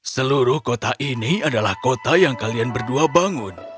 seluruh kota ini adalah kota yang kalian berdua bangun